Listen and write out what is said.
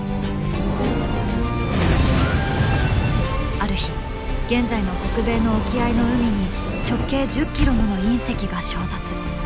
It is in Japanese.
ある日現在の北米の沖合の海に直径１０ｋｍもの隕石が衝突。